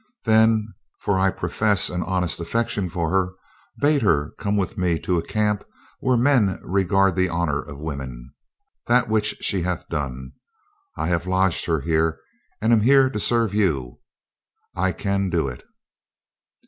Then I — for I pro fess an honest affection for her — bade her come with me to a camp where men regard the honor of wom en. The which she hath done. I have lodged her here and am here to serve you. I can do it."